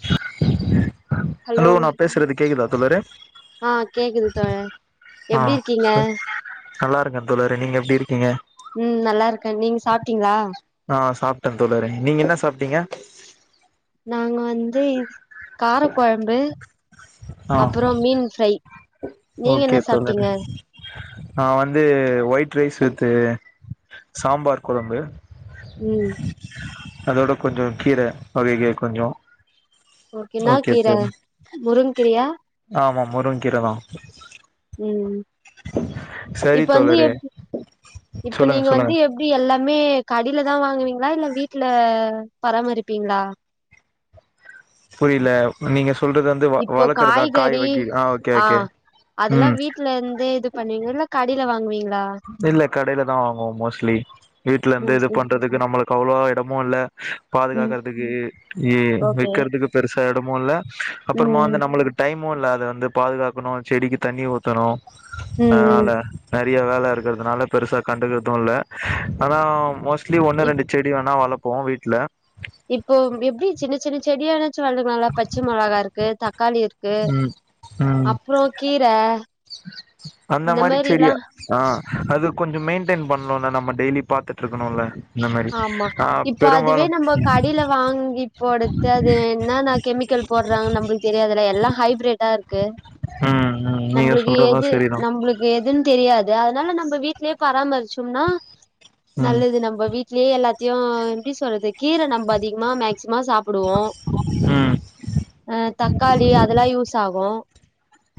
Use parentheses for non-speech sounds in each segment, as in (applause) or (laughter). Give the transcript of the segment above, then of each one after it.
(inaudible) Hello நா பேசறது கேக்குதா தோழரே ஆ கேக்குது தோழர் ஆ எப்டி இருக்கீங்க சு நல்லாருக்க தோழரே நீங்க எப்டி இருக்கீங்க ம் நல்லாருக்கே நீங்க சாப்ட்டீங்ளா ஆ சாப்டே தோழரே நீங்க என்ன சாப்ட்டீங்க நாங்க வந்து காரக் கொழம்பு ஆ அப்பறோ மீன் ஃப்ரை நீங்க ஓகே என்ன தோழரே சாப்ட்டீங்க நா வந்து ஒயிட் ரைஸ் வித்து சாம்பார் கொழம்பு ம் அதோட கொஞ்சோ கீர வகைக கொஞ்சோ ஓகே இன்னாக் கீர முருங்கீரையா ஆமாம் முருங்கீரதா ம் ம் சரி இப்ப வந்து தோழரே எப் இப்ப சொல்லுங்க நீங்க சொல்லுங்க வந்து எப் எப்டி எல்லாமே கடிலதா வாங்குவீங்ளா இல்ல வீட்ல பராமரிப்பீங்ளா புரில நீங்க சொல்றது வந் இப்போ காய்கறி ஆ ஓகே அதெல்லா ம் வீட்லந்தே இதுப் பண்ணுவீங்ளாக் கடைல வாங்வீங்ளா இல்லக் கடைலதா வாங்வோ மோஸ்ட்லி வீட்லந்து மோஸ்ட்லி இதுப் பண்றதுக் கு இங்க நம்மளுக் அவ்ளவா எடமு இல்ல ம் பாதுகாகறதுக்கு ஏ ஓகே வெக்றதுக்குப் பெருசா எடமு இல்ல அப்பறமா வந்து ம் நம்மளுக்குட் டைமு இல்ல அத வந்துப் பாதுகாக்கணு செடிக்கு தண்ணி ஊத்தணு ம் ம் அதனால நெறைய வேலர் ருக்கிறதுனால பெருசா கண்டுக்கர்து இல்ல ஆனா மோஸ்ட்லி ம் ஒன்னு ரெண்டு செடி வோணா வளப் போ வீட்ல இப்போம் எப்டி சின்ன சின்ன செடியானாச்சு வளக்லால்ல பச்ச மொளகா இருக்கு தக்காளி இருக் க்கு ம் ம் அப்றோ கீர அந்த இந்த மாரி மேரிலா செடியா ஆ அது கொஞ்சம் மெயின்டெயின் பண்ணூனா நம்ம டெய்லிப் பாத்துட்ருக்குணுல்ல ஆமா இப்போ அதுவே நம்ம கடேல வாங்கிப்போட அது என்னன்ன கெமிக்கல் போட்றாங்கு நம்மளுக்கு தெரியாதுல எல்லா ஹைப்ரிட்டா இருக்கு ம் ம் நீங்க நம்ளுக்கு சொல்றது எது சரிதா நம்ளுக் எதுன்னு தெரியாது அதனால நம்ம வீட்லயே பராமரிச்சோம்னா ம் நல்லது நம்ம வீட் லே எல்லாத்தயு எப்டி சொல்றது கீர நம்ம அதிகமா மேக் ஸிமோ சாப்டுவோ ம் அ தக்காளி அதெல்லா யூஸ் ஆகு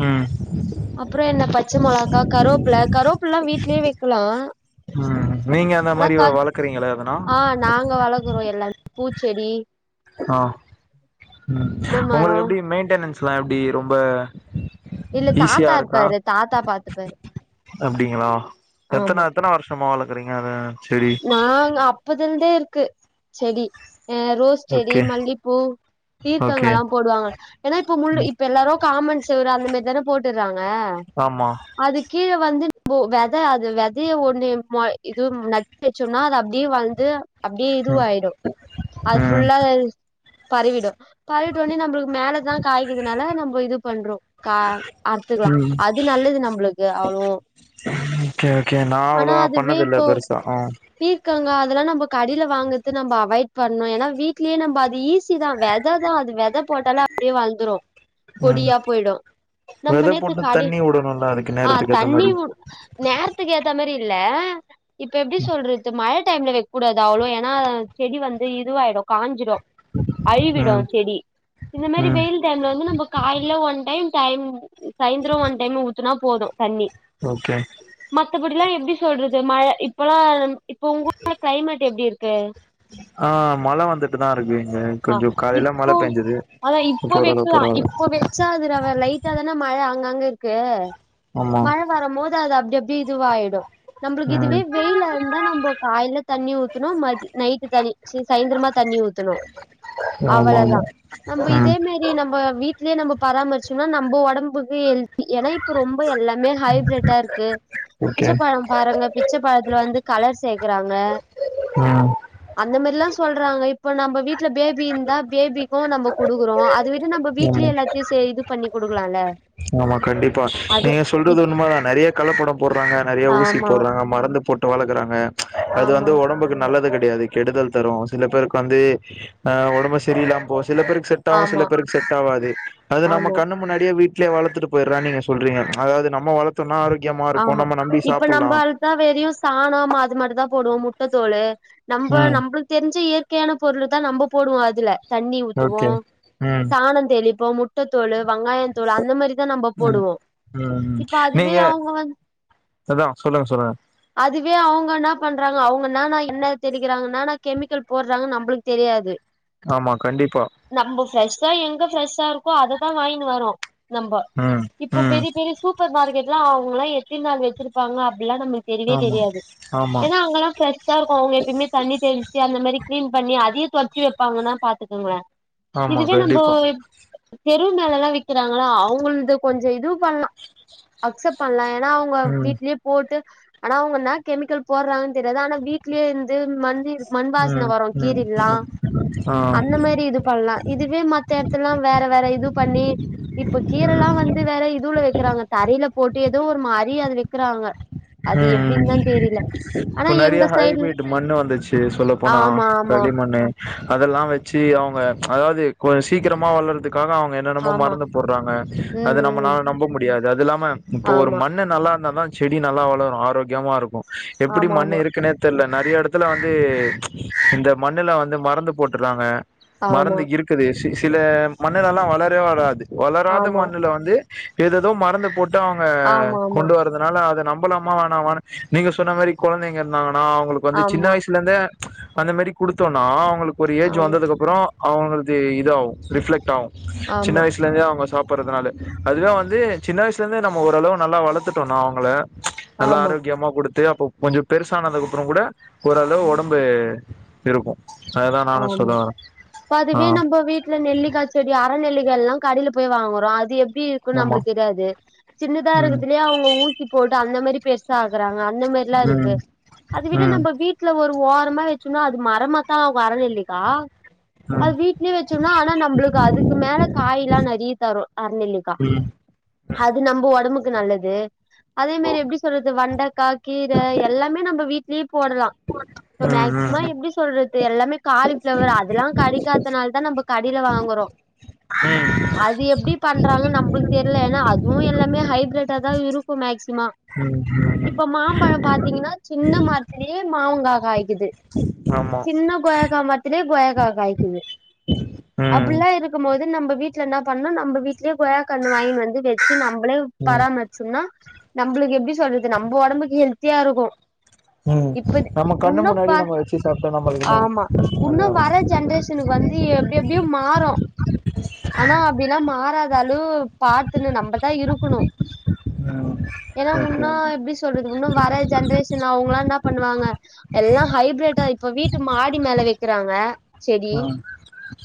ம் அப்புற என்ன பச்ச மொளாக்கா கருவெப்புல கருவேப்புல்லா வீட்லே வைக்லா ம் நீங்க அந்த மாரி வளக்குறீங்ளா எதனா ஆ நாங்க வளக்குறோ எல்லாமே பூச்செடி ஆ தென்ன ஒங்களுக்கு மரோ எப்டி மெயின்டெனன்ஸ்ல்லா எப்டி ரொம்ப இல்ல ஈஸியா தாத்தா இருக்கா இருக்காரு தாத்தா பாத்துப்பாரு அப்டிங்ளா ஆமா எத்தன எத்தன வருஷமா வளக்றீங்க அத செடி ஆங் அப்பதில்ருந்தே இருக்கு செடி அ ரோஸ் செடி ஓகே மல்லிப்பூ ஓகே பீர்க்கங்காலா போடுவாங்க ஏன்னா இப்ப முள்ளு ம் இப்ப எல்லாரு காமன் செவுரு அந்த மாரி தானே போட்டுறாங்க ஆமா அதுக் கீழ வந்து வெத அது வெதய ஒன்னு மொ இது நட் டு வச்சோனா அது அப்டியே வள்ந்து அப்டியே ம் இதுவாயிடு அது ம் ஃபுல்லா பரவிடு பறவிட்டோனே நம்ளுக்கு மேலதா காய்க்கிதுனால நம்ம இது பண்றோ கா அத்துக்கலா ம் அது நல்லது நம்மளுக்கு அவ்ளோ ஓகே ஓகே நா அவ்ளோவா அதுவே பண்ணதில்ல இப்போ பெருசா ஆ பீர்க்கங்கா அதெல்லா நம்ம கடயில வாங்கறது நம்ம அவாய்ட் பண்ணு ஏனா வீட்லேயே நம்ம அது ஈஸி தா வெத தா அது வெத போட்டாலு அப்டியே வந்துடு ம் கொடியா போய்டு நம்ம வெத நேத்து போட்டு கட தண்ணி வுடணுல்ல அதுக்கு ஆ நேரத்துக்கு ஏத்த தண்ணி மாரி ஊத் நேரத்துக்கு ஏத்த மாரி இல்ல இப்ப எப்டி சொல்றது மழ டைம்ல வைக்கக்கூடாது அவ்ளோ ஏன்னா செடி வந்து இதுவாயிடு காஞ்சிடு அழிவிடு ம் செடி இந்த மாரி ம் வெயில் டைம்ல வந்து நம்ம காலைல ஒன் டைம் சாயந் சாயந்திர ஒன் டைம் ஊத்தனா போது தண்ணி ஓகே மத்தபடி எல்லா எப்டி சொல்றது மழ இப்பல்லா இப்ப உங்க ஊர் கிளைமேட் எப்டி இருக்கு ஆ மழ வந்துட்டுதா இருக்கு இங்க ஆ கொஞ்சோ காலைல மழ இப்ப பேஞ்சது அதா இப்ப இப்போ ஓரளவு வைக்கலா பரவால்ல இப்போ வச்சா அத லைட்டா தானே மழ அங்கங்க இருக்கு ஆமா பெருசா வரும்போது அது அப்டி அப்டி இதுவாயிடு நம்ளுக்கு இதுவே ம் வெயிலா இருந்தா நம்ப காலைல தண்ணி ஊத்தணு மத்திய நைட் தண்ணி ச்சு சாயந்திரமா தண்ணி ஊத்தணு ஆமா அவ்வளதா ஆமா நம்ம ம் இதே மாரி நம்ம வீட்லயே நம்ம பராமரிச்சோம்னா நம்ம ஒடம்புக்கு ஹெல்த் ஏன்னா இப்ப ரொம்ப எல்லாமே ஹைப்பிரட்டா இருக்கு ஓகே பிச்சப்பழ பாருங்க பிச்சப்பழத்துல வந்து கலர் சேக்குறாங்க ம் அந்த மாதிரில்லா சொல்றாங்க இப்ப நம்ம வீட்ல பேபி இருந்தா பேபிக்கு நம்ம குடுக்குறோ அதுவே இது நம்ம ஆமா வீட்லயே எல்லாத்தையு இது பண்ணி குடுக்கலால்ல ஆமா கண்டிப்பா நீங்க சொல்றது உண்ம தா நெறைய களப்பட போட்றாங்க நறையா ஊசி ஆமா போட்றாங்க மருந்து போட்டு ட்டு வளக்குறாங்க அது ஆமா வந்து ஒடம்புக்கு நல்லது கிடையாது கெடுதல் தரு சில பேருக்கு வந்து அ உடம்பு செரியில்லாம போவு சில பேருக்கு செட் டாவு சில ஆமா பேருக்கு செட் ஆவாது அது நம்ம ஆமா கண்ணு முன்னாடியே வீட் லயே வளத்துட்டு போய்ட்றோ நீங்க சொல்றீங்க அதாவது நம்ம வளத்தோனா ஆரோக்கியமா இருக்கு நம்ம நம்பி சாப்புட்லா எல்லா வேரையு சாணம் அது மட்டுதா போடுவோ முட்ட தோலு நம்ம ம் நம்பளுக் தெர்ஞ்ச இயற்கையான பொருள் தா நம்ப போடுவோ அதுல தண்ணி ஊத்துவோ ஓகே ம் சாணோந் தெளிப்போ முட்ட தோல் வங்காயோ லு அந்த மாதிரி தா நம்ப ம் போடுவோ ம் இப்ப அதுவே நீங்க அவுங் அதா சொல்லுங்க சொல்லுங்க அதுவே அவுங்க என்னப் பண்றாங்க அவுங்கனா நா என்ன தெளிக்கிறாங்கன்னா நா கெமிக்கல் போட்றாங்க நம்பளுக் தெரியாது ஆமா கண்டிப்பா நம்போ ஃப்ரஷ்தா எங்க ஃப்ரெஷ்ஷா இருக்கோ அததா வாங்கின்னு வரோ நம்ப ம் இப்போ ம் பெரிய பெரிய சூப்பர் மார்க்கெட்லா அவுங்கல்ல எத்தின் நாள் வெச்சிருப் ப்பாங்க அப்புல்லா நம்மளுக் தெரியவே ஆமா தெரியாது ஆமா ஏன்னா அவுங்கல்லா ப்ரஷ் ஷா இருக்கு அவூங்க எப்யுமே தண்ணி தெளிச்சு அந்த மாரி கிளீன் பண்ணி அதையு தொட்ச்சு வெப்பாங்கன்னா பாத்துக்கோங்களே ஆமா இதுவே நம்போ கண்டிப்பா இப் தெரு மேலெல்லா விக்கிறாங்களா அவுங்கள்த கொஞ்ச இதுவு பண்லா அக்சப்ட் பண்லா ஏன்னா அவுங்க ம் வீட்லயுப் போட்டு ஆனா அவுங்க இன்னா கெமிக்கல் போட்றாங்கன்னு தெரியாது ஆனா வீட்லயே இருந்து மண்தி மண் வாசன ம் வரு ம் கீர்ல்லா ம் ஆ அந்த மாரி இது பண்ணலா இதுவே மத் மத்த எடத்தலா வேற வேற இது பண்ணி இப்ப கீரைல்லா ம் வந்து வேற இதுல விக்கிறாங்க தரையில போட்டு எதோ ஒரு மாரி அத விக்கிறாங்க ம் ஹும் இப்ப நெறைய எங்க ஹை சைடுல ப்ரிட் மண்ணு வந்துர்ச்சு சொல்ல போனா ஆமா ஆமா களிமண்ணு அதெல்லா வெச்சு அவுங்க அதாவது கொஞ்ச சீக்கிரமா வளர்றதுக்காக அவுங்க என்னென்னமோ ஆமா மருந்து போட்றாங்க ம் அது ம் நம்மளால நம்ப முடியாது அதுல்லாம இப்ப ஒரு ஆமா மண்ணு நல்லா இருந்ததா செடி நல்லா வளரு ஆரோக்கியமா இருக்கு எப்புடி ஆமா மண்ணு இருக்குனே தெர்ல நெறைய எடத்துல வந்து இந்த மண்ணுலா வந்து மருந்து போட்டுர்றாங்க ஆமா மருந்து இருக்குது சி சில மண்ணுலெல்லா வளரவே வராது வளராத ஆமா மண்ணுல வந்து எதேதோ மறந்து போட்டு அவுங்க ஆமா ஆமா கொண்டு வர்றதுனால அது நம் போலாம்மா வேணாம்மானு நீங்க சொன்ன மாரி கொழந்தைங்க இருந்தாங்கன்னா அவுங்களுக்கு வந்து சின்ன ஆமா வயசு ப்புல்ல இருந்தே அந்த மாரி குடுத்தோன்னா அவுங்களுக்கு ஒரு ஆமா ஏஜ் வந்ததுக்கு அப்பறோ அவுங்கள்து இதா ஆவு ரிஃப்ளெக்ட் ஆவு சின்ன ஆமா வயசு ட்ல இருந்தே அவுங்க சாப்புறதுனால அதுவே வந்து சின்ன வயசுல இருந்தே நம்ம ஓரளவு நல்லா வளத்துட்டோனா அவுங்கள ஆமா நல்லா ஆமா ஆரோக்கியமா குடுத்து அப்போ கொஞ்சோ பெருசானதுக்கு அப்றோ கூட ஒரளவு ஒடம்பு இருக்கு அதுதா நானு ஆமா சொல்ல வரே இப்ப ஆ அதுவே நம்ம வீட்டுக் சில நெல்லிக்காச் செடி அர நெல்லிக்காய் எல்லா கடயில போய் வாங்குறோ அது எப்டி இருக்குன்னு ஆமா நம்பளுக்கு தெரியாது சின்னதா ம் இருக்குறதுலையே அவுங்க ஊசி போட்டு அந்த மாரி பெருசா ஆக்குறாங்க அந்த மாரில்லா ம் ம் ம் இருக்கு ம் அத விட நம்ப வீட்ல ஒரு ஓரமா வச்சிர்னு அது மரமாத்தா ஆகு அற நெல்லிக்கா அது வீட்லயே வெச்சுர்னு ஆனா நம்பளுக்கு அதுக்கு மேல காய்ல்லா நெறைய தரு அரநெல்லிக்கா ம் ம் அது நம்போ ஒடம்புக்கு நல்லது அதே மேரி எப்டி சொல்றது வண்டக்கா கீர எல்லாமே நம்ப வீட்லயே போடலா இப்ப ம் மேக்சிமா ம் எப்டி சொல்ற எல்லாமே காலிஃப்ளவர் அதல்லா கடிக்காதத்தனால தா நம்மோ கடையில வாங்குறோ ம் அது எப்டி பண்றாங்கனு நம்பளுக்கு தெரியில ஏன்னா அதுவும் எல்லாமே ஹைப்ரட தா இருக்கும் மேக்சிமா இப்ப மாம்பழம் பாத்தீங்கன்னா சின்ன மரத்திலயே மாவுங்கா காய்க்குது ஆமா சின்ன கொய்யக்கா மரத்திலேயே கொய்யாக்கா காய்க்குது ம் அப்டிலா இருக்கும் போது நம்ப வீட்ல நா பண்ணோ நம்ப வீட் டுலயே கொய்யாக்கா கண்ணு வாங்கின் வந்து வெச்சி நம்பளே ம் பராமரிச்சோம்னா நம்பளுக்கு எப்டி சொல்றது நம்ப ஒடம்புக்கு ஹெல்தியா இருக்கோ இப்பதிக் உன்னு பா கச்சி சாப்டா நம்பள ஆமா உன்னு வர ஜென்ரேஷனுக்கு வந்து எப்டி எப்டியோ மாறோ ஆனா அப்டின்னா மாறாத அளவு பாத்துக்கன்னு நம்ம அத இருக்கணு ம் ஏன்னா ஓகே ஓகே உன்னா எப்டி சொல்றது உன்னோ வர ஜெனரேஷன் அவுங்கள நா பண்ணுவாங்க எல்லா ஹைப்ரேடயி இப்ப வீட்டு மாடி மேல வக்கிறாங்க செடி ம்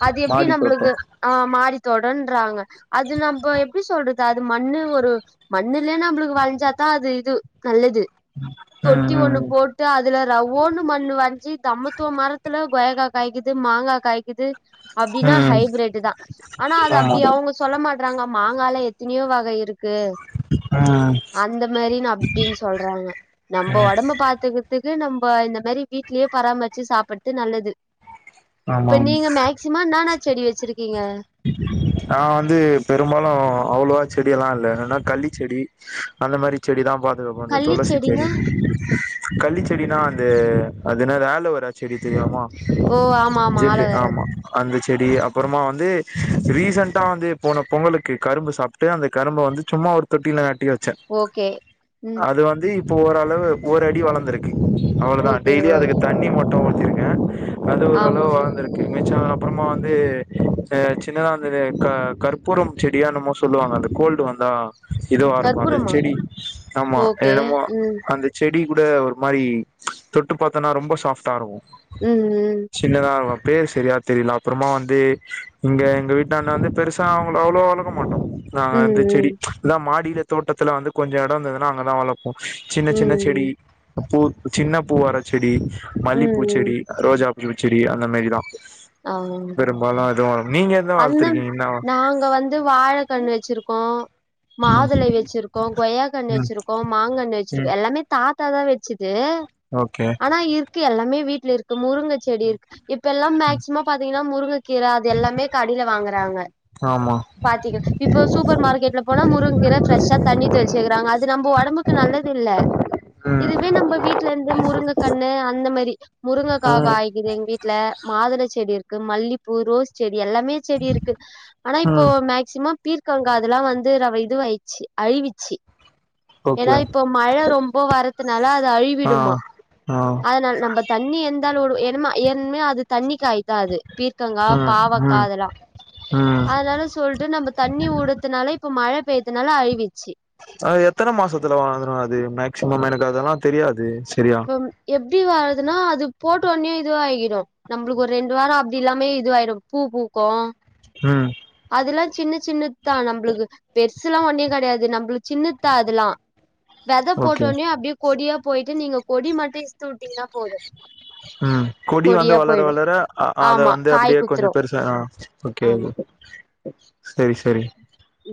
அது எப்டி மாடி தோட்டோ நம்பளுக்கு ஆ மாடித்தோடுறாங்க அது நம்ம எப்டி சொல்றது அது மண்ணு ஒரு மண்ணுலய நம்பளுக்கு வளைஞ்சாதா அது இது நல்லது ம் தொட்டி ஒண்ணு ம் போட்டு அதுல ரவ்வோ ஒண்ணு மண்ணு வஞ்சி தமத்துவ மரத்துல கொய்யக்கா காய்க்குது மாங்காய் காய்க்குது அப்படின்னா ம் ஹைபிரட்டுதா ஆனா அது ம் ஆமா அப்டி ம் அவுங்க சொல்ல மாட்டறாங்க மாங்கால எத்தனையோ வகை இருக் க்கு அந்த மாரி அப்படின்னு சொல்றாங்க நம்ம ஒடம்பு பாத்துக்கிறதுக்கு நம்ம இந்த மாதிரி வீட்லயே பராமரிச்சி சாப்புட்டு நல்லது ஆமா ஆமா இப்ப நீங்க மேக்ஸ் சிம்மானுதான செடி வெச்சிருக்கீங்க நா வந்து பெரும்பாலும் அவ்வளவா செடியெல்லா இல்ல என்னன்னா கள்ளிச்செடி அந்த மாரி செடிதா பாத்துக்கப்போ இந்த கள்ளி துளசி செடி செடினா கள்ளிச்செடினா வந்து அது என்ன அலோவேரா செடி தெரியுமா ஓ ஆமா ஆமா ஜெல்லு ஆலோவேரா ஆமா அந்த செடி அப்பறமா வந்து ரீசெண்டட்டா வந்து போன பொங்கலுக்கு கரும்பு சாப்ட்டு அந்த கரும்ப வந்து சும்மா ஒரு தொட்டியில நட்டி வச் ச்ச ஓகே ம் அது வந்து இப்ப ஓரளவு ஒரு அடி வளந்திருக்கு அவ்ளோ தான் ஓகே டெய்லியும் அதுக்கு ஓகே தண்ணி மட்டும் ஊத்திருக்கேன் அது ஆமா ஓரளவு ஆமா வளந் திருக்கு எங்காச்சும் அப்பறமா வந்து க சின்னதா அந்த க கற்பூரம் செடியா என்னமோ சொல்லுவாங்க அந்த கோல்டு வந்தா இதவா இருக்கும் அந்த கற்பூரமா செடி ஆமா ஓகே என்னமோ ம் அந்த செடி கூட ஒரு மாறி தொட்டு பாத்தோனா ரொம்ப சாஃப்டா இருக்கும் ம் ம் சின்னதாக பேர் செரியா தெரியல அப்பறமா வந்து இங்க எங்க வீட்டண்ண வந்து பெருசா அவங்க அவ்ளோ வளக்க மாட்டோம் நாங்க ம் வந்து செடி ம் அதான் மாடியில தோட்டத்துல வந்து கொஞ்சம் எடம் இருந்ததுன்னா அங்கதான் வளப்போம் சின்ன ம் சின்ன செடி ம் பூ சின்ன பூ வர செடி ம் மல்லிப்பூ ம் ம். செடி ரோஜா பூச்செடி அந்த மாதிரிதான் ஆ இப்பயெல்லா எது வள நீங்க எதும் அந்த வளத்திருக்கீங்க என்னா நாங்க வந்து வாழ கன்னு வச்சிருக்கோம் ம் மாதுளை வச்சிருக்கோ கொய்யா கண்ணி ம் வச்சிருக்கோ மாங்கண்ணு ம் வச்சிருக்கோ எல்லாமே தாத்தாதான் வச்சது ஓகே னா இருக்கு எல்லாமே வீட்ல இருக்கு முருங்க செடி இருக்கு இப்ப எல்லாம் மேக்சிமம் பாத்தீங்கன்னா முருங்க கீற அது எல்லாமே கடையில வாங்கறாங்க ஆமா பாத்தீங்க இப்போ சூப்பர் மார்க்கெட்ல போனா முருங்கீர ஃப்ரஷ்ஷா தண்ணி தெளிச்சிக்கிறாங்க அது நம்ப ஒடம்புக்கு நல்லது இல்ல ம் இதுவே நம்ப வீட்ல இருந்து முருங்க கண்ணு அந்த மேரி முருங்கக்கா ம் காய்கிது எங்க வீட்ல மாதுள செடி இருக்கு மல்லிப்பூ ரோஸ் செ டி எல்லாமே செடி இருக்கு ஆனா இப்போ ம் மேக் சிமம் பீர்க்கங்க அதெல்லா வந்து ரவ இது வாயிறுச்சி அழிவிச்சி ஏனா ஓகே இப்ப மழ ரொம்ப வறத்துனால அது ஆ அழிவிடுமா ஆ அதனால் நம்ப தண்ணி இருந்தாலும் உடு எனமா எதுமே அது தண்ணி காய் தான் அது பீர்கங்கா ம் பாவக் கா ம் அதெல்லா ம் அதனால சொல்ட்டு நம்ப தண்ணி உடத்துனால இப்ப மழ பெய்த்தனால அழிவிச்சி ஆ எத்தன மாசத்துல வாழ்ந்துரும் அது மேக்சிமம் எனக்கு அதெல்லா தெரியாது செரியா ம் எப்டி வரதுனா அது போட்ட ஒன்னே இதுவாகிடும் நம்பளுக்கு ஒரு ரெண்டு வாரம் அப்டி இல்லாமே இதுவாயிடும் பூ பூக்கும் ம் அதுல்லா சின்ன சின்னத்தான் நம்பளுக்கு பெருசுலாம் ஒண்ணே கெடையாது நம்பளுக்கு சின்னத்தா அதுல்லா வெத ஓகே போட்டோன்னே அப்டியே கொடியா போயிட்டு நீங்க கொடி மட்டும் இசுத்து விட்டீங்கன்னா போதும் ம் கொடி வந்து வளர வளர அ அத ஆமா வந்து காய் அப்டியே கொஞ்சம் குத்துரு பெருசா ஆ ஓகே ஓகே ஆமா செரி செரி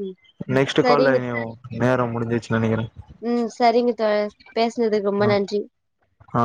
ம் நெக்ஸ்ட்டு கால்ல சரிங்க இனைவோம் நேரம் முடிஞ்சிச்சி நெனக்கிறன் ஆ ம் செரிங்க தோழர் பேசனதுக்கு ரொம்ப ஆ நன்றி ஆ